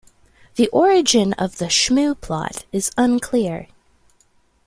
The origin of the shmoo plot is unclear.